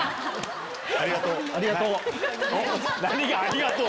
ありがとう。